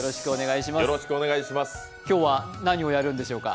今日は何をやるんでしょうか？